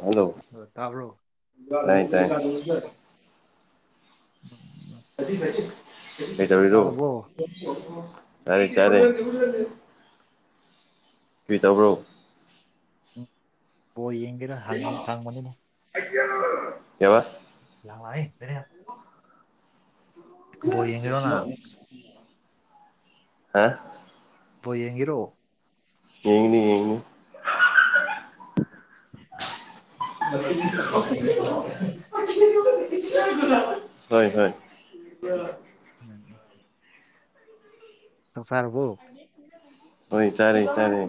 hello ꯑ ꯇꯥꯕ꯭ꯔꯣ ꯇꯥꯏ ꯇꯥꯏ ꯎ ꯇꯥꯔꯕꯣ ꯌꯥꯔꯦ ꯆꯔꯦ ꯀꯏ ꯇꯧꯕ꯭ꯔꯣ ꯎꯝ ꯍꯣꯏ ꯌꯦꯡꯒꯦꯔꯥ ꯍꯥꯡꯉ ꯍꯥꯡꯕꯅꯤꯅꯣ ꯀꯩꯕ [unintelligible] ꯂꯥꯛꯑꯣꯍꯦ [unintelligible] ꯕꯣꯜ ꯌꯦꯡꯒꯦꯔꯣ ꯅꯪ ꯍꯥ ꯕꯣ ꯌꯦꯡꯉꯔꯣꯑꯣ ꯌꯦꯡꯅꯤ ꯌꯦꯡꯅꯤ ꯍꯣꯏ ꯍꯣꯏ ꯎ ꯎꯝ ꯎꯝ ꯆ ꯐꯥꯕꯨꯣ ꯑꯣꯏꯣꯏ ꯇꯔꯦ ꯇꯔꯦ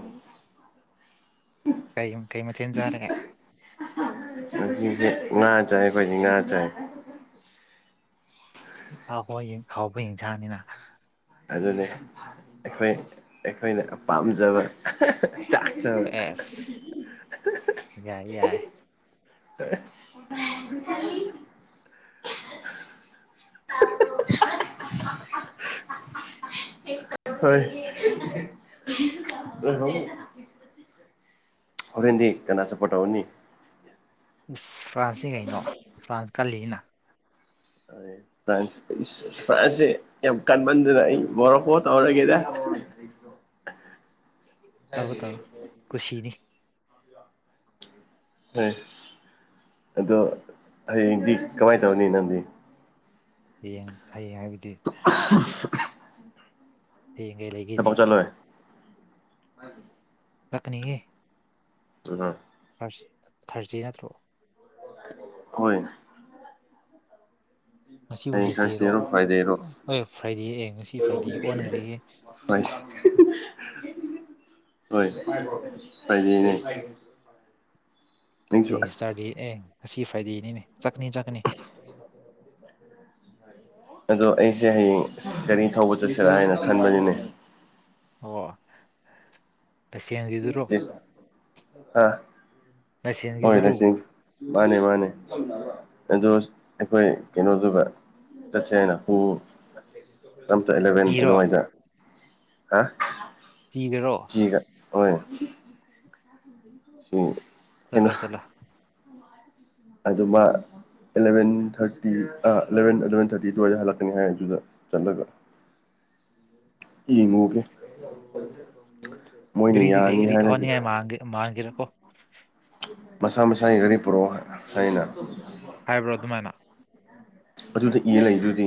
ꯀꯩ ꯀꯩ ꯃꯊꯦꯜ ꯆꯥꯔꯒꯦ ꯍꯧꯁꯦ ꯅꯥꯥ ꯆꯥꯏ ꯑꯩꯈꯣꯏꯗꯤ ꯅꯥꯥ ꯆꯥꯏ ꯍꯥꯎ ꯍꯣꯏ ꯍꯥꯎꯕ ꯌꯦꯟꯁꯥꯡꯅꯤꯅ ꯑꯗꯨꯅꯤ ꯑꯩꯈꯣꯏ ꯑꯩꯈꯣꯏꯅ ꯄꯥꯝꯖꯕ ꯆꯥꯛ ꯆꯥꯕ ꯑꯦꯁ ꯌꯥꯏ ꯌꯥꯏ ꯇ [inaudible] ꯍꯣꯏ ꯑ ꯍꯔꯦꯟꯗꯤ ꯀꯅꯥꯁꯄꯇꯎꯅꯤ ꯏꯁ ꯐ꯭ꯔꯥꯟꯁꯁꯦ ꯀꯩꯅꯣ ꯐ꯭ꯔꯥꯟꯁ ꯀꯜꯂꯤꯅ ꯐ꯭ꯔꯥꯟꯁ [unintelligible] ꯐ꯭ꯔꯥꯟꯁꯤꯦ ꯌꯥꯝ ꯀꯟꯃꯟꯗ ꯑꯩ ꯃꯣꯔꯛꯣ ꯇꯋꯥꯔꯒꯗ ꯇꯕꯨ ꯇꯕ ꯈꯨꯨꯁꯤꯅꯤ ꯍꯣꯏ ꯑꯗꯣ ꯍꯌꯦꯡꯗꯤ ꯀꯃꯥꯏꯅ ꯇꯧꯅꯤ ꯅꯪꯗꯤ ꯌꯦ ꯌꯦꯡ ꯈꯌꯦꯡꯉ ꯍꯥꯏꯕꯗꯤ ꯑ ꯍꯥꯌꯦꯡ ꯀꯩ ꯂꯩꯒꯦꯅꯦ ꯊꯕꯛ ꯆꯠꯂꯣꯏ ꯄꯀꯅꯤꯌꯦ ꯎꯝ ꯐꯥꯔꯁ ꯊꯥꯔꯖꯤ ꯅꯠꯇ꯭ꯔꯣ ꯍꯣꯏ ꯉꯁꯤ ꯑ ꯋꯦꯅꯦꯁꯗꯦꯔꯣ ꯈꯔꯔꯣ ꯐꯥꯏꯗꯦꯔꯣ ꯑꯦ ꯐ꯭ꯔꯥꯏꯗꯦ ꯑꯦ ꯉꯁꯤ ꯐ꯭ꯔꯥꯏꯗꯦ ꯑꯣꯟꯈ꯭ꯔꯦꯍꯦ ꯍꯣꯏꯁ ꯍꯣꯏ ꯄꯥꯏꯖꯅꯦ ꯑꯦ ꯆꯇꯥꯔꯗꯦ ꯑꯦ ꯉꯁꯤ ꯐ꯭ꯔꯥꯏꯗꯦꯅꯤꯅꯦ ꯆꯠꯀꯅꯤ ꯆꯠꯀꯅꯤ ꯑꯗꯣ ꯑꯩꯁꯦ ꯍꯌꯦꯡ ꯒꯥꯔꯤ ꯊꯧꯕ ꯆꯠꯁꯤꯔꯥ ꯍꯥꯏꯅ ꯈꯟꯕꯅꯤꯅꯦ [unintelligible] ꯂꯥꯏꯁꯦꯟꯒꯤꯗꯨꯔꯣ ꯂꯥꯏꯁꯦꯟꯒꯤꯗꯨꯔꯣ [unintelligible] ꯃꯥꯅꯦ ꯃꯥꯅꯦ ꯑꯗꯣ ꯑꯩꯈꯣꯏ ꯀꯩꯅꯣꯗꯨꯒ ꯆꯠꯁꯦ ꯍꯥꯏꯅ ꯑꯣ ꯇꯝ ꯑꯦꯂꯚꯦꯟ ꯀꯤꯔꯣ ꯑꯗꯨꯋꯥꯏꯗꯅ ꯍꯥ ꯆꯤꯗꯔꯣ ꯆꯤꯒ ꯍꯣꯏ [unintelligible] ꯆꯠꯂꯣ ꯆꯂ ꯑꯗꯨꯃ ꯑꯦꯂꯚꯦꯟ ꯊꯥꯔꯇꯤ ꯑꯥ ꯑꯦꯂꯚꯦꯟ ꯑꯋꯥꯏꯗ ꯍꯜꯂꯛꯀꯅꯤ ꯍꯥꯏ ꯑꯗꯨꯗ ꯆꯠꯂꯒ [inaudible] ꯌꯦꯉꯉꯨꯒꯦ [unintelligible] [unintelligible] ꯃꯁꯥ ꯃꯁꯥꯒꯤ ꯒꯥꯔꯤ ꯄꯨꯔꯛꯑꯣ ꯍꯥꯏꯅ ꯍꯥꯏꯕ꯭ꯔꯣ ꯑꯗꯨꯃꯥꯏꯅ ꯑꯗꯨꯗ ꯏꯔ ꯂꯩꯗꯨꯗꯤ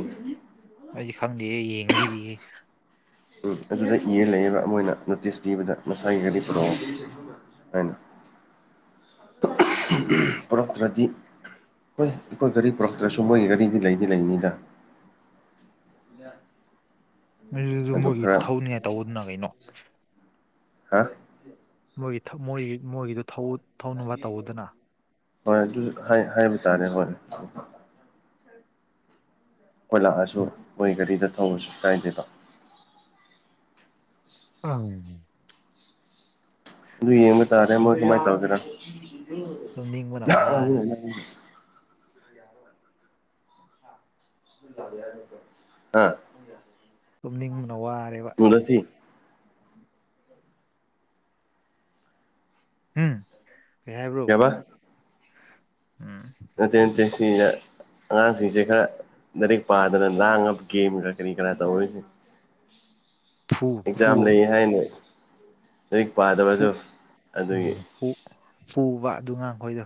ꯑꯩꯗꯤ ꯈꯪꯗꯤꯌꯦ ꯌꯦꯡꯉ ꯏꯔꯤꯌꯦ ꯑꯗꯨꯗ ꯏꯔ ꯂꯩꯑꯕ ꯃꯣꯏꯅ ꯅꯣꯇꯤꯁ ꯄꯤꯕꯗ ꯃꯁꯥꯒꯤ ꯒꯥꯔꯤ ꯄꯨꯔꯛꯑꯣ [unintelligible] ꯄꯨꯔꯛꯇꯔꯥꯗꯤ ꯍꯣꯏ ꯑꯩꯈꯣꯏ ꯒꯥꯔꯤ ꯄꯨꯔꯛꯇ꯭ꯔꯁꯨ ꯃꯣꯏꯒꯤ ꯒꯥꯔꯤꯗꯤ ꯂꯩꯗꯤ ꯂꯩꯅꯤꯗ ꯑꯗꯨꯖꯨ ꯑꯗꯨ ꯃꯣꯏꯒꯤ ꯈꯔ ꯊꯧꯅꯤꯉꯥꯏ ꯇꯧꯕꯗꯨꯅ ꯀꯩꯅꯣ ꯍꯥ ꯃꯣꯏꯒꯤ ꯃꯣꯏꯒꯤ ꯃꯣꯏꯒꯤꯗ ꯊꯧꯎꯠ [unintelligible] ꯍꯣꯏ ꯑꯗꯨ ꯍꯥꯏꯕ ꯇꯥꯔꯦ ꯍꯣꯏ ꯑꯩꯈꯣꯏ ꯂꯥꯛꯑꯁꯨ ꯎꯝ ꯃꯣꯏ ꯒꯥꯔꯤꯗ ꯊꯧꯔꯁꯨ ꯀꯥꯏꯗꯦꯕ ꯎꯝ ꯑꯗꯨ ꯌꯦꯡꯕ ꯇꯥꯔꯦ ꯃꯣꯏ ꯇꯨꯝꯅꯤꯡ- ꯀꯃꯥꯏꯅ ꯇꯧꯒꯦꯅ ꯇꯨꯝꯅꯤꯡꯕꯅ ꯋꯥꯔꯦ [unintelligible] [unintelligible] ꯑꯥ ꯇꯨꯝꯅꯤꯡꯕꯅ ꯋꯥꯔꯦꯕ ꯎꯝ ꯀꯩ ꯍꯥꯏꯕ꯭ꯔꯣ ꯀꯩꯕ ꯎꯝ ꯅꯠꯇꯦ ꯅꯠꯇꯦ ꯁꯤꯗ ꯑꯉꯥꯡꯁꯤꯡꯁꯦ ꯈꯔ ꯂꯥꯏꯔꯤꯛ ꯄꯥꯗꯅ ꯂꯥꯡꯉꯕ ꯒꯦꯝꯒ ꯀꯔꯤ ꯀꯔꯥ ꯇꯧꯔꯤ [inaudible] ꯐꯨ ꯑꯦꯛꯖꯥꯝ ꯂꯩ ꯍꯥꯏꯅ ꯂꯥꯏꯔꯤꯛ ꯄꯥꯗ꯭ꯔꯖꯨ ꯑꯗꯨꯒꯤ ꯑꯝ ꯐꯨꯕ ꯑꯗꯨ ꯉꯥꯡꯈꯣꯏꯗꯣ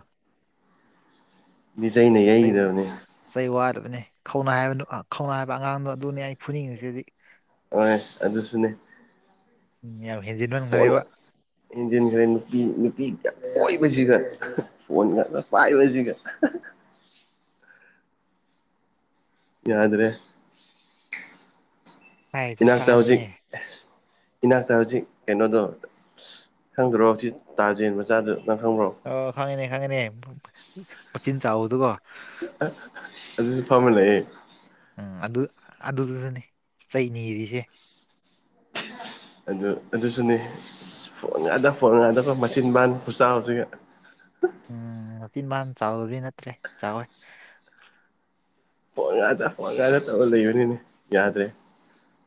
ꯃꯤꯖꯩꯅꯩꯌꯦ ꯑꯩ ꯆꯩ ꯋꯥꯠꯂꯕꯅꯦ ꯈꯧꯅꯥ ꯍꯥꯏꯕꯗꯨ ꯈꯧꯅꯥꯏ ꯍꯥꯏꯕ ꯑꯉꯥꯡꯗꯣ ꯑꯗꯨꯅꯦ ꯑꯩ ꯐꯨꯅꯤꯡꯉꯤꯁꯤꯗꯤ ꯃꯥꯅꯦ ꯑꯗꯨꯁꯨꯅꯦ ꯎꯝ ꯌꯥꯝ ꯍꯦꯟꯖꯤꯟꯃꯟꯒꯔꯦꯕ ꯍꯦꯟꯖꯤꯟꯈꯔꯦ ꯅꯨꯄꯤ ꯅꯨꯄꯤꯒ ꯀꯣꯏꯕꯁꯤꯒ ꯐꯣꯟ ꯉꯥꯛ ꯄꯥꯏꯕꯁꯤꯒ ꯌꯥꯗ꯭ꯔꯦ ꯍꯥꯏꯔꯤꯁꯨ ꯏꯅꯥꯛꯇ ꯇꯥꯗꯣꯏꯅꯦ ꯍꯧꯖꯤꯛ ꯏꯅꯥꯛꯇ ꯍꯧꯖꯤꯛ ꯀꯩꯅꯣꯗꯣ ꯈꯪꯗ꯭ꯔꯣ ꯑꯁꯤ ꯇꯥꯖꯦꯟ ꯃꯆꯥꯗ ꯅꯪ ꯈꯪꯕ꯭ꯔꯣ ꯑꯣ ꯍꯣꯢꯅꯦ ꯍꯣꯏꯅꯦ ꯃꯆꯤꯟ ꯆꯥꯎꯕꯗꯨꯕꯣ ꯑꯗꯨꯖꯨ ꯐꯝꯃ ꯂꯩꯑꯦ ꯎꯝ ꯑꯗꯨ ꯑꯗꯨꯗꯨꯗꯅꯤ ꯆꯩꯅꯤꯔꯤꯁꯦ ꯑꯗꯨ ꯑꯗꯨꯁꯨꯅꯦ ꯐꯣꯟ ꯌꯥꯗ ꯐꯣꯟ ꯌꯥꯗꯕ ꯃꯆꯤꯟꯕꯥꯟ ꯈꯨꯆꯥꯎꯁꯤꯒ ꯎꯝ ꯃꯆꯤꯟ ꯃꯥꯟ ꯆꯥꯎꯗꯤ ꯅꯠꯇ꯭ꯔꯦ ꯆꯥꯎꯋꯦ ꯐꯣꯟ ꯌꯥꯗ ꯐꯣꯟ ꯌꯥꯗ ꯇꯧꯔ ꯂꯩꯕꯅꯤꯅꯦ ꯌꯥꯗ꯭ꯔꯦ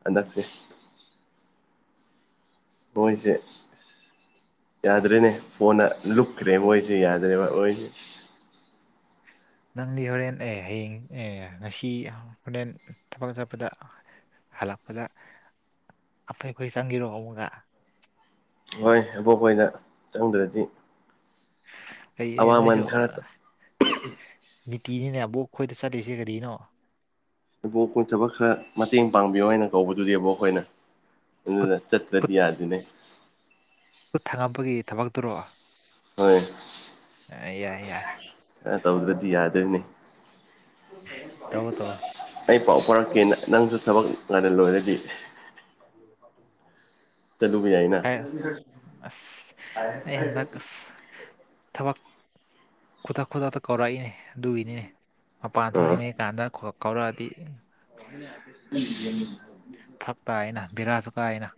ꯍꯟꯗꯛꯁꯦ ꯃꯣꯏꯁꯦ ꯌꯥꯗ꯭ꯔꯦꯅꯦ ꯐꯣꯟꯅ ꯂꯨꯞꯈ꯭ꯔꯦ ꯃꯣꯏꯁꯦ ꯌꯥꯗ꯭ꯔꯦꯕ ꯃꯣꯏꯁꯦ ꯅꯪꯗꯤ ꯍꯣꯔꯦꯟ ꯑꯦ ꯍꯌꯦꯡ ꯑꯦ ꯉꯁꯤ ꯍꯣꯔꯦꯟ ꯊꯕꯂ ꯆꯠꯄꯗ ꯍꯜꯂꯛꯄꯗ ꯑꯐꯩꯈꯣꯏ ꯆꯪꯈꯤꯔꯣ ꯑꯃꯒ [unintelligible] ꯍꯣꯏ ꯑꯕꯣꯛꯄꯣꯏꯗ ꯆꯪꯗ꯭ꯔꯗꯤ ꯑꯩꯩꯌꯦ ꯑꯋꯥꯃꯟ ꯅꯣꯏꯁꯨ ꯈꯔ ꯅꯨꯡꯇꯤꯅꯤꯅꯦꯕꯣꯛ ꯑꯩꯈꯣꯏꯗ ꯆꯠꯂꯤꯁꯦ ꯀꯔꯤꯅꯣ ꯏꯕꯣꯛ ꯑꯩꯈꯣꯏ ꯊꯕꯛ ꯈꯔ ꯃꯇꯦꯡ ꯄꯥꯡꯕꯤꯌꯣ ꯍꯥꯏꯅ ꯀꯧꯕꯗꯨꯗꯤꯕꯣ ꯑꯩꯈꯣꯏꯅ ꯈꯨꯠ ꯑꯗꯨ ꯆꯠꯇ꯭ꯔꯗꯤ ꯈꯨꯠ ꯌꯥꯔꯗꯅꯦ ꯈꯨꯠ ꯊꯪꯉꯄꯒꯤ ꯊꯕꯛꯇꯔꯣ ꯍꯣꯏ ꯌꯥꯏ ꯌꯥꯏ ꯑ ꯇꯧꯗ꯭ꯔꯗꯤ ꯌꯥꯗꯅꯦ ꯇꯧ ꯇꯧ ꯑꯩ ꯄꯥꯎ ꯐꯥꯎꯔꯛꯀꯦꯅ ꯅꯪꯁꯨ ꯊꯕꯛ ꯉꯟꯅ ꯂꯣꯏꯔꯗꯤ ꯑꯗꯨꯕꯨ ꯌꯥꯏꯅ ꯍꯥꯏ ꯑꯁ ꯑꯩ ꯍꯟꯗꯛꯁ ꯊꯕꯛ ꯈꯨꯗꯛ ꯈꯨꯗꯛꯇ ꯀꯧꯔꯛꯏꯅꯦ ꯑꯗꯨꯒꯤꯅꯤꯅꯦ ꯃꯄꯥꯟ ꯊꯣꯛꯏꯉꯩ ꯆꯥꯟꯗꯥꯥ ꯈ ꯀꯥꯎꯔꯥ ꯑꯗꯤ ꯑꯣ ꯐꯛꯛꯇ ꯍꯥꯏꯅ ꯕꯤꯔꯥꯖꯨꯀ ꯍꯥꯏꯅ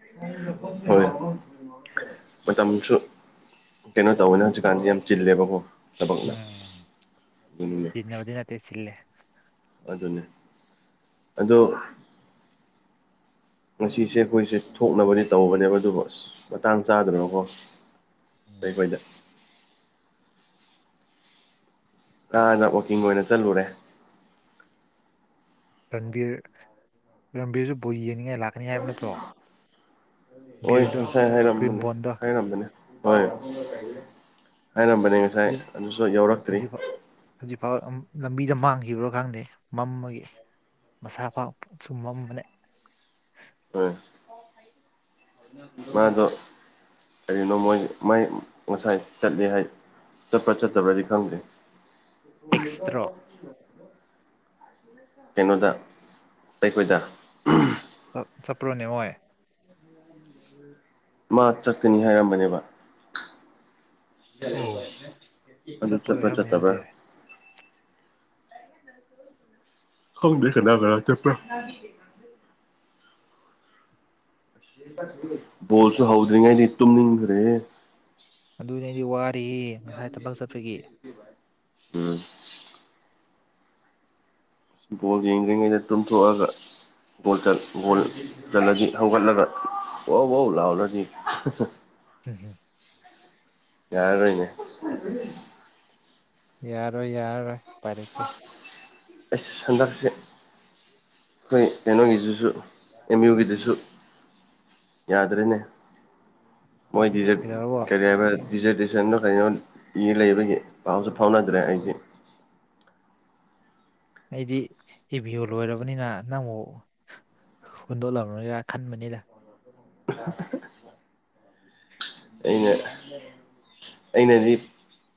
ꯍꯣꯏ ꯃꯇꯝꯁꯨ ꯀꯩꯅꯣ ꯇꯧꯋꯦꯅ ꯍꯧꯖꯤꯛꯀꯥꯟꯗꯤ ꯌꯥꯝ ꯆꯤꯜꯂꯦꯕꯀꯣ ꯊꯕꯛꯅ ꯎꯝ ꯑꯗꯨꯅꯤꯅꯦ ꯇꯟꯅꯕꯗꯤ ꯅꯠꯇꯦ ꯁꯤꯜꯂꯦ ꯑꯗꯨꯅꯦ ꯑꯗꯨ ꯉꯁꯤꯁꯦ ꯑꯩꯈꯣꯏꯁꯦ ꯊꯣꯛꯅꯕꯗꯤ ꯇꯧꯕꯅꯦꯕ ꯑꯗꯨꯒ ꯑꯁ ꯃꯇꯥꯡ ꯆꯥꯗꯅꯀꯣ ꯎꯝ ꯑꯩꯈꯣꯏꯗ [unintelligible] ꯀꯥꯗ ꯋꯥꯛꯀꯤꯡ ꯑꯣꯏꯅ ꯆꯠꯂꯨꯔꯦ ꯔꯟꯕꯤꯔ ꯔꯟꯕꯤꯔꯁꯨ ꯕꯣꯏ ꯌꯦꯡꯅꯤꯡꯉꯥꯏ ꯂꯥꯛ ꯍꯣꯏ ꯕꯤꯔꯗꯣ ꯉꯁꯥꯏ ꯍꯥꯏꯔꯝꯕꯅꯦ ꯀ꯭ꯔꯤꯝꯕꯣꯟꯗꯣ ꯍꯥꯏꯔꯝꯕꯅꯦ ꯍ ꯍꯥꯏꯅꯝꯕꯅꯦ ꯌꯨꯝ ꯍꯥꯏꯕꯤꯕ ꯍꯧꯖꯤꯛ ꯐꯥꯎ ꯂꯝꯕꯤꯗ ꯃꯥꯡꯈꯤꯕ꯭ꯔ ꯈꯥꯟꯗꯦ ꯃꯝꯃꯒꯤ ꯃꯁꯥ ꯄꯥꯛꯁꯨꯨꯝ ꯃꯝꯕꯅꯦ ꯍꯣꯏ ꯃꯥꯗꯣ ꯀꯔꯤꯅꯣ ꯃꯣꯏ ꯃꯥꯏ ꯉꯁꯥꯏ ꯆꯠꯂꯤ ꯍꯥꯏ ꯆꯠꯄ ꯆꯠꯇꯕꯗꯤ ꯈꯪꯗꯦ ꯑꯦꯛꯁꯇ꯭ꯔꯣ ꯀꯩꯅꯣꯗ ꯑꯩꯈꯣꯏꯗ ꯆꯄ꯭ꯔꯣꯅꯦꯉꯣꯏ ꯃꯥ ꯆꯠꯀꯅꯤ ꯍꯥꯏꯔꯝꯕꯅꯦꯕ ꯑꯣ ꯑꯗꯨ ꯆꯠꯄ ꯆꯠꯄ꯭ꯔꯥ ꯑꯣꯏꯔꯝꯅꯦ ꯆꯠꯇꯕ꯭ꯔꯥ ꯑꯗꯨꯗꯤ ꯈꯪꯗꯦ ꯀꯅꯥ ꯀꯅꯥ ꯆꯠꯄ꯭ꯔ [inaudible] ꯕꯣꯜꯁꯨ ꯍꯧꯗ꯭ꯔꯤꯉꯩꯗꯤ ꯇꯨꯝꯅꯤꯡꯈ꯭ꯔꯦ ꯑꯗꯨꯅꯦ ꯑꯩꯗꯤ ꯋꯥꯔꯤꯔꯌꯦ ꯉꯁꯥꯏ ꯊꯕꯛ ꯆꯠꯄꯒꯤ ꯎꯝ ꯕꯣꯜ ꯌꯦꯡꯗꯔ꯭ꯤꯉꯩꯗ ꯇꯨꯝꯊꯣꯛ ꯑꯒ ꯣꯜ ꯕꯣꯜ ꯆꯠꯂꯗꯤ ꯍꯧꯒꯠꯂꯒ ꯑꯣꯧ ꯑꯣꯧ ꯂꯥꯎꯔꯗꯤ ꯎꯝ ꯍꯨꯝ ꯌꯥꯔꯣꯏꯅꯦ ꯌꯥꯔꯣꯏ ꯌꯥꯔꯔꯣꯏ ꯎꯄꯥꯏ ꯂꯩꯇꯦ ꯑꯩꯁ ꯍꯟꯗꯛꯁꯦ ꯑꯩꯈꯣꯏ ꯀꯩꯅꯣꯒꯤꯗꯨꯁꯨ ꯑꯦꯝ ꯌꯨꯒꯤꯗꯨꯁꯨ ꯌꯥꯗ꯭ꯔꯦꯅꯦ ꯃꯣꯏꯗꯤꯖꯤꯠ ꯀꯩꯗꯧꯔꯕꯣ ꯀꯔꯤ ꯍꯥꯏꯕ ꯗꯤꯖꯔꯇꯦꯁꯟꯗꯣ ꯀꯩꯅꯣ ꯏ ꯂꯩꯕꯒꯤ ꯄꯥꯎꯁꯨ ꯐꯥꯎꯅꯗ꯭ꯔꯦ ꯑꯩꯗꯤ ꯑꯩꯗꯤ ꯍꯦꯚꯤꯌꯣ ꯂꯣꯏꯔꯕꯅꯤꯅ ꯅꯪꯕꯨ ꯍꯨꯟꯗꯣꯛꯂꯝꯂꯔꯣꯏꯗ꯭ꯔ ꯈꯟꯕꯅꯤꯗ [unintelligible] [inaudible] ꯑꯩꯅ ꯑꯩꯅꯗꯤ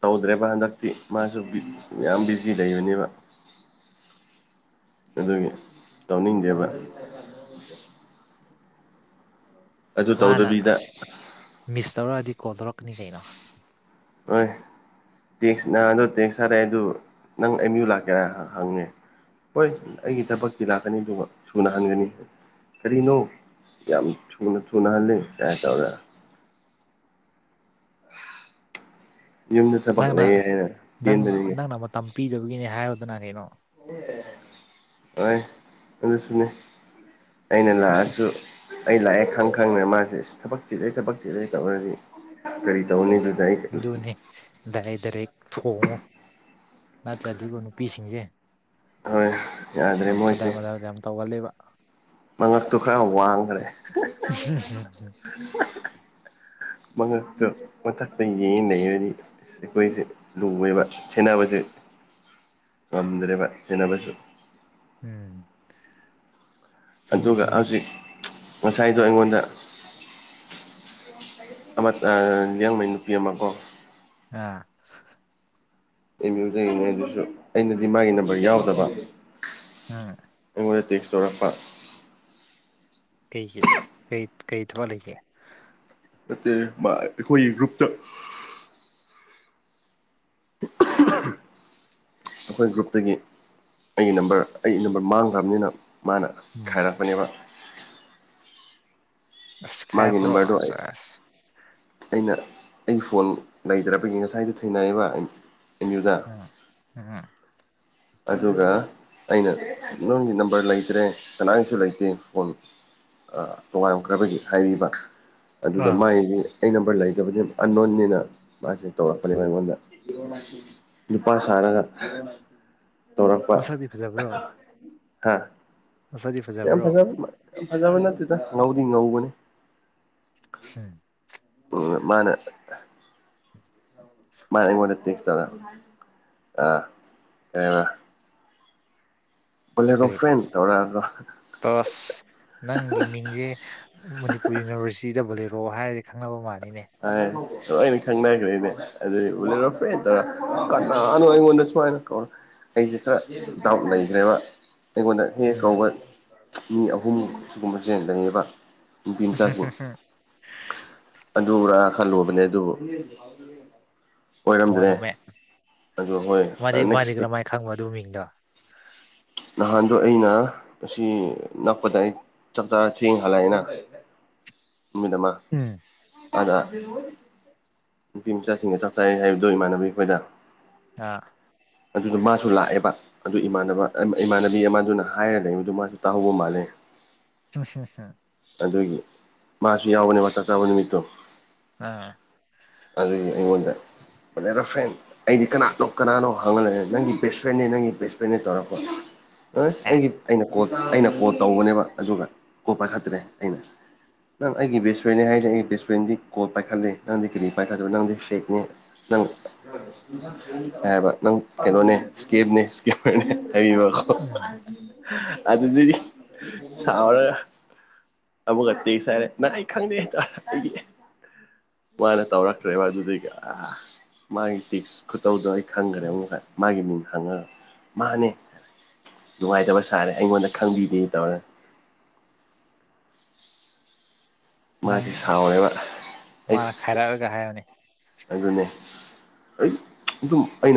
ꯇꯧꯗ꯭ꯔꯦꯕ ꯍꯟꯗꯛꯇꯤ ꯃꯥꯁꯨ ꯕꯤꯠ ꯌꯥꯝ ꯕꯤꯖꯤ ꯂꯩꯕꯅꯦꯕ ꯑꯗꯨꯒꯤ ꯇꯧꯅꯤꯡꯗꯦꯕ ꯑꯗꯨ ꯋꯥꯅ ꯇꯧꯗꯕꯤꯗ ꯃꯤꯁ ꯇꯧꯔꯛꯑꯗꯤ ꯀꯣꯜ ꯇꯧꯔꯛꯀꯅꯤ ꯀꯩꯅꯣ ꯑꯣꯏ ꯇꯦꯛꯁ ꯅꯍꯥꯟꯗꯣ ꯇꯦꯛꯁ ꯊꯔꯛꯑꯦꯗꯨ ꯅꯪ ꯑꯦꯝ ꯌꯨ ꯂꯥꯛꯀꯦꯔꯥ ꯍꯪ ꯍꯪꯉꯦ ꯍꯣꯏ ꯑꯩꯒꯤ ꯊꯕꯛꯀꯤ ꯂꯥꯛꯀꯅꯤ ꯑꯗꯨꯒ ꯁꯨꯅ ꯍꯟꯒꯅꯤ ꯀꯔꯤꯅꯣ ꯌꯥꯝ ꯊꯨꯅ ꯊꯨꯅ ꯍꯜꯂꯤ ꯀꯥꯏ ꯇꯧꯔꯛꯑꯦ ꯌꯨꯝꯗ ꯊꯕꯛ ꯅꯪꯅ ꯂꯩꯌꯦ ꯍꯥꯏꯅ ꯅꯪꯅ ꯆꯦꯟꯕꯅꯤꯅꯦ ꯅꯪꯅ ꯃꯇꯝ ꯄꯤꯗꯕꯒꯤꯅꯦ ꯍꯥꯏꯕꯗꯨꯅ ꯀꯩꯅꯣ ꯍꯣꯏ ꯑꯗꯨꯁꯨꯅꯦ ꯑꯩꯅ ꯂꯥꯛꯑꯁꯨ ꯑꯩ ꯂꯥꯛꯑꯦ ꯈꯪ ꯈꯪꯗꯅ ꯃꯥꯁꯦ ꯑꯁ ꯊꯕꯛ ꯆꯤꯛꯂꯦ ꯊꯕꯛ ꯆꯤꯛꯂꯦ ꯇꯧꯔꯗꯤ ꯀꯔꯤ ꯇꯧꯅꯤ ꯑꯗꯨꯗ ꯑꯩ ꯗꯥꯔꯦꯛ ꯗꯥꯔꯦꯛ ꯊꯣꯡꯉꯣ ꯅꯠꯇ꯭ꯔꯗꯤꯀꯣ ꯅꯨꯄꯤꯁꯤꯡꯖꯦ ꯍꯣꯏ ꯌꯥꯗ꯭ꯔꯦ ꯌꯥꯝ ꯃꯣꯏꯁꯦ ꯀꯗꯔ ꯃꯗꯔ ꯌꯥꯝ ꯇꯧꯒꯜꯂꯦꯕꯥ ꯃꯉꯛꯇꯣ ꯈꯔ ꯋꯥꯡꯒ꯭ꯔꯦ ꯃꯉꯛꯇ ꯃꯊꯛꯇ ꯌꯦꯡ ꯂꯩꯔꯅꯤ ꯑꯩꯈꯣꯏꯁꯦ ꯂꯨꯋꯦꯕ ꯁꯦꯟꯅꯕꯁꯦ ꯉꯝꯗ꯭ꯔꯦꯕ ꯁꯦꯟꯅꯕꯁꯨ ꯎꯝ ꯆꯨꯝꯃꯤ ꯑꯗꯨꯒ ꯆꯨꯝꯃꯤ ꯍꯧꯖꯤꯛ ꯉꯁꯥꯏꯗꯣ ꯑꯩꯉꯣꯟꯗ ꯑꯃꯠ ꯑ ꯂꯤꯌꯥꯡꯃꯩ ꯅꯨꯄꯤ ꯑꯃ ꯀꯣ ꯑꯥ ꯑꯦꯝ ꯌꯨꯗꯩꯅꯦ ꯑꯗꯨꯁꯨ ꯑꯩꯅꯗꯤ ꯃꯥꯒꯤ ꯅꯝꯕꯔ ꯌꯥꯎꯗꯕ ꯑꯥ ꯑꯩꯉꯣꯟꯗ ꯇꯦꯛꯁ ꯇꯧꯔꯛꯄ ꯀꯩꯒꯤ ꯀꯩ ꯀꯩ ꯊꯕꯛ ꯂꯩꯒꯦ ꯅꯠꯇꯦ ꯃꯥꯏ ꯑꯩꯈꯣꯏꯒꯤ ꯒ꯭ꯔꯨꯞꯇ [inaudible] ꯑꯩꯈꯣꯏ ꯒ꯭ꯔꯨꯞꯇꯒꯤ ꯑꯩꯒꯤ ꯅꯝꯕꯔ ꯑꯩ ꯅꯝꯕꯔ ꯃꯥꯡꯒ꯭ꯔꯕꯅꯤꯅ ꯃꯥꯅ ꯎꯝ ꯈꯥꯏꯔꯛꯄꯅꯦꯕ ꯑꯁ ꯃꯥꯒꯤ ꯈꯥꯏꯔꯛꯄ꯭ꯔꯣ ꯅꯝꯕꯔꯗꯣ ꯑꯁ ꯑꯩ ꯑꯁ ꯑꯩꯅ ꯑꯩ ꯐꯣꯟ ꯂꯩꯗ꯭ꯔꯕꯒꯤ ꯉꯁꯥꯏꯗꯣ ꯊꯦꯡꯅꯩꯑꯦꯕ ꯑꯦꯝ ꯌꯨꯗ [unintelligible] ꯑꯗꯨꯒ ꯑꯩꯅ ꯅꯪꯒꯤ ꯅꯝꯕꯔ ꯂꯩꯇ꯭ꯔꯦ ꯀꯅꯥꯏꯒꯤꯁꯨ ꯂꯩꯇꯦ ꯐꯣꯟ ꯑ ꯇꯣꯉꯥꯝꯈ꯭ꯔꯕꯒꯤ ꯍꯥꯏꯕꯤꯕ ꯑꯗꯨꯗ ꯑꯥ ꯃꯥꯏꯗꯤ ꯑꯩ ꯅꯝꯕꯔ ꯂꯩꯇꯕꯗꯤ ꯑꯟꯅꯣꯟꯅꯤꯅ ꯃꯥꯁꯦ ꯇꯧꯔꯛꯄꯅꯤ ꯑꯩꯉꯣꯟꯗ ꯅꯨꯨꯄꯥ ꯁꯥꯔꯒ ꯇꯧꯔꯛꯄ ꯃꯁꯛꯗꯤ ꯐꯖꯕ꯭ꯔꯣ ꯍꯥ ꯃꯁꯛꯗꯤ ꯌꯥꯝ ꯐꯖꯕ꯭ꯔꯣ ꯐꯖꯕ ꯌꯥꯝ ꯐꯖꯕ ꯅꯠꯇꯦꯗ ꯉꯧꯗꯤ ꯉꯧꯕꯅꯤ [unintelligible] [unintelligible] ꯃꯥꯅ ꯑꯩꯉꯣꯟꯗ ꯇꯦꯛꯁ ꯇꯧꯔꯑ ꯑ ꯀꯔꯤ [unintelligible] ꯇꯁ ꯅꯪꯒꯤ ꯃꯤꯡꯁꯦ ꯃꯅꯤꯄꯨꯔ ꯌꯨꯅꯤꯚꯔꯁꯤꯇꯤꯗ ꯕꯣꯂꯦꯔꯣ ꯍꯥꯏꯔꯗꯤ ꯈꯪꯅꯕ ꯃꯥꯅꯤꯅꯦ ꯍꯥꯏ ꯑꯩ ꯃꯤ ꯈꯪꯅꯈ꯭ꯔ ꯏꯅꯦ ꯑꯗꯨꯗ ꯎꯂꯔꯣ ꯐꯦ ꯇꯔ ꯀꯅ ꯑꯩꯣꯟꯗꯁꯨꯃꯥꯏꯅ ꯀꯧ ꯑꯩꯁꯦ ꯈꯔ ꯗꯥꯎꯠ ꯂꯩꯈ꯭ꯔꯦꯕ ꯑꯩꯉꯣꯟꯗ ꯍꯦꯛ ꯍꯦꯛ ꯎꯝ ꯀꯧꯕ ꯃꯤ ꯑꯍꯨꯝ ꯁꯤꯒꯨꯝꯕꯁꯦ ꯂꯩꯌꯦꯕ ꯅꯨꯄꯤ ꯃꯆꯥꯁꯤꯡ [unintelligible] ꯑꯗꯨꯔ ꯈꯜꯂꯨꯕꯅꯦ ꯑꯗꯨꯕꯨ ꯑꯣꯏꯔꯝꯗ꯭ꯔꯦ ꯇꯣꯉꯥꯜꯂꯝꯃꯦ ꯑꯗꯨ ꯍꯣꯏ ꯃꯥꯗꯤ ꯃꯥꯗꯤ ꯅꯦꯛꯁ ꯤ ꯀꯔꯝꯃꯥꯏꯅ ꯈꯪꯕ ꯑꯗꯨ ꯃꯤꯡꯗꯣ ꯅꯍꯥꯟꯗꯣ ꯑꯩꯅ ꯑꯁꯤ ꯅꯛꯄꯗ ꯑꯩ ꯆꯞ ꯆꯥ ꯊ ꯍꯂꯥꯏꯅ ꯎꯃꯤꯗ ꯑꯃ ꯎꯝ ꯑꯗ ꯅꯨꯄꯤ ꯃꯆꯥꯁꯤꯡꯒ ꯆꯥꯛ ꯆꯥꯏ ꯍꯥꯏꯕꯗꯣ ꯏꯃꯥꯟꯅꯕꯤ ꯑꯩꯈꯣꯏꯗ ꯑ ꯑꯗꯨꯗ ꯃꯥꯁꯨ ꯂꯥꯛꯑꯦꯕ ꯑꯗꯨ ꯏꯃꯥꯟꯅꯕ ꯏꯃꯥꯟꯅꯕꯤ ꯑꯃꯗꯨꯅ ꯍꯥꯏꯔ ꯂꯩꯕꯗꯨ ꯃꯥꯁꯨ ꯇꯥꯍꯧꯕ ꯃꯥꯜꯂꯦ ꯆꯁꯦ ꯁꯦ ꯑꯗꯨꯒꯤ ꯃꯥꯁꯨ ꯌꯥꯎꯕꯅꯦꯕ ꯆꯥꯛ ꯆꯥꯕ ꯅꯨꯃꯤꯠꯇꯣ ꯑꯥ ꯑꯗꯨꯒꯤ ꯑꯩꯉꯣꯟꯗ ꯑꯣꯅꯔꯕꯜ ꯔꯐꯦꯟ ꯑꯩꯗꯤ ꯀꯅꯥꯅꯣ ꯀꯅꯥꯅꯣ ꯍꯪꯍꯜꯂꯒꯦ ꯅꯪꯒꯤ ꯕꯦꯁ ꯐ꯭ꯔꯦꯟꯅꯦ ꯅꯪ ꯕꯦꯁ ꯐ꯭ꯔꯦꯟꯅꯦ ꯇꯧꯔꯛꯄ ꯍꯣꯏ ꯑꯦ ꯑꯩꯒꯤ ꯑꯩꯅ ꯀꯣ ꯑꯩꯅ ꯀꯣꯜ ꯇꯧꯕꯅꯦꯕ ꯑꯗꯨꯒ ꯀꯣ ꯄꯥꯏꯈꯠꯇ꯭ꯔꯦ ꯑꯩꯅ ꯅꯪ ꯑꯩꯒꯤ ꯕꯦꯁ ꯐ꯭ꯔꯦꯟ ꯍꯥꯏꯔꯗꯤ ꯑꯩꯒꯤ ꯕꯦꯁ ꯐ꯭ꯔꯦꯟꯗꯤ ꯀꯣꯜ ꯄꯥꯏꯈꯠꯂꯦ ꯅꯪꯗꯤ ꯀꯔꯤ ꯄꯥꯏꯈꯠꯂꯣ ꯅꯪꯗꯤ ꯐꯔꯤꯠꯅꯦ ꯅꯪ ꯍꯥꯏꯕ ꯅꯪ ꯀꯩꯅꯣꯅꯦ ꯏꯁꯀꯦꯞꯅꯦ ꯏꯁꯦꯞꯄꯔꯅꯦ ꯍꯥꯏꯕꯤꯕ ꯎꯝ ꯑꯗꯨꯗꯤꯗꯤ ꯁꯥꯎꯔꯒ ꯑꯃꯨꯛ ꯇꯦꯛꯁ ꯍꯥꯏꯔꯦ ꯅꯪ ꯑꯩ ꯈꯪꯗꯦ ꯑꯩꯦ ꯎ ꯇꯧꯔꯛꯇ꯭ꯔꯦꯕ ꯑꯗꯨꯗꯤꯒ ꯃꯥꯒꯤ ꯇꯤꯁ ꯇꯧꯗꯣ ꯑꯩ ꯈꯪꯈ꯭ꯔꯦ ꯑꯃꯨꯥꯏ ꯃꯥꯒꯤ ꯃꯤꯡ ꯈꯪꯉꯒ ꯃꯥꯅꯦ ꯅꯨꯡꯉꯥꯏꯇꯕ ꯁꯥꯔꯦ ꯑꯩꯉꯣꯟꯗ ꯈꯪꯕꯤꯗꯦ ꯇꯧꯔꯦ ꯅꯪ ꯃꯥꯁꯤ ꯁꯥꯎꯔꯦꯕ ꯑꯩ ꯃꯥꯅ ꯈꯥꯏꯔꯛꯑꯒ ꯍꯥꯏꯌꯣꯅꯦ ꯑꯗꯨꯅꯦ ꯑꯩ ꯑꯗꯨꯝ ꯑꯩꯅ